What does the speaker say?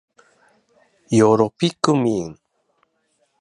よろぴくみん